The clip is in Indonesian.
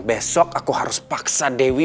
besok aku harus paksa dewi